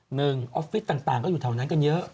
ออฟฟิศต่างก็อยู่แถวนั้นกันเยอะ